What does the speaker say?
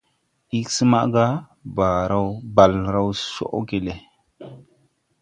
Ig smaga, Bale raw coʼge le.